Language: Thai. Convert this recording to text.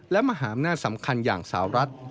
และมหาอำนาจสำคัญอย่างสาวรัฐ